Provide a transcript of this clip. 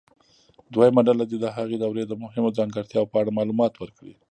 دویمه ډله دې د هغې دورې د مهمو ځانګړتیاوو په اړه معلومات ورکړي.